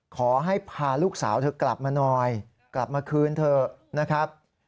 ขอให้พาลูกสาวเธอกลับมาหน่อยกลับมาคืนเถอะนะครับ